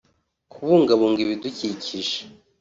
kubungabunga ibidukikije